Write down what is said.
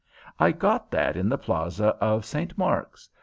"I got that in the plaza of St. Marc's.